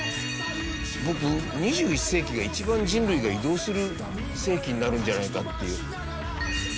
僕２１世紀が一番人類が移動する世紀になるんじゃないかっていう。